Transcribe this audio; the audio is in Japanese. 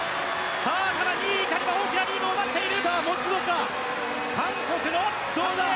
ただ２位以下に大きなリードを奪っている。